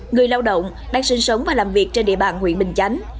người lao động đang sinh sống và làm việc trên địa bàn huyện bình chánh